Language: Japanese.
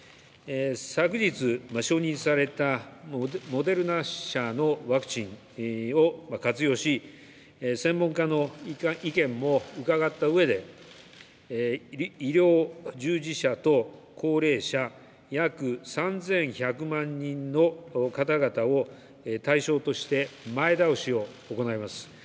昨日、承認されたモデルナ社のワクチンを活用し、専門家の意見も伺ったうえで、医療従事者と高齢者、約３１００万人の方々を対象として前倒しを行います。